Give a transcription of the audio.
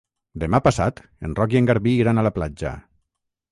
Demà passat en Roc i en Garbí iran a la platja.